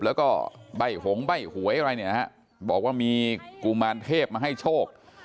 แล้วก็ใบ่หงก็ใบ่หวยบอกว่ามีกลุมานเทพมาให้โชค